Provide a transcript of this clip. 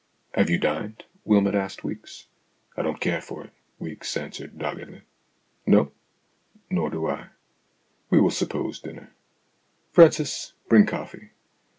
" Have you dined ?" Wylmot asked Weeks. " I don't care for it," Weeks answered doggedly. "No? Nor do I. We will suppose dinner. Francis, bring coffee.